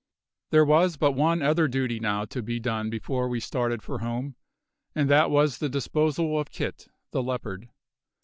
There was but one other duty now to be done before we started for home, and that was the disposal of Kit, the leopard.